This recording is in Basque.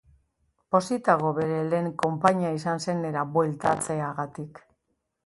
Pozik dago bere lehen konpainia izan zenera bueltatzeagatik.